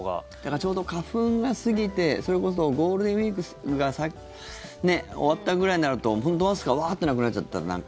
ちょうど花粉が過ぎてそれこそゴールデンウィークが終わったぐらいになると本当、マスクがワーッてなくなっちゃったら、なんか。